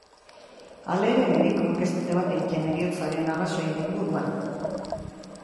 Halere, medikuek ez dute bat egiten heriotzaren arrazoien inguruan.